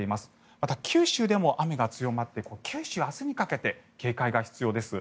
また、九州でも雨が強まって九州は明日にかけて警戒が必要です。